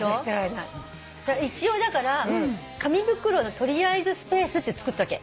一応だから紙袋の取りあえずスペースってつくったわけ。